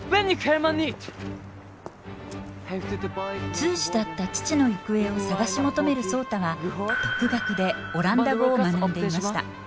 通詞だった父の行方を探し求める壮多は独学でオランダ語を学んでいました。